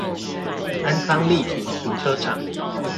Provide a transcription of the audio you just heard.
安康立體停車場